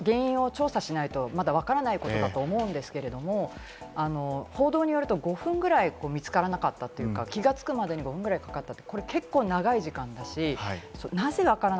これは原因を調査しないと、まだわからないことだと思うんですけれども、報道によると、５分ぐらい見つからなかったというか、気が付くまでに５分くらいかかったと。